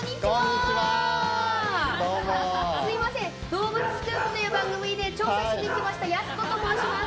こんにちはどうも「動物スクープ」という番組で調査しにきましたやす子と申します